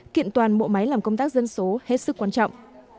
kiện toàn bộ máy làm công tác dân số hết sức quan trọng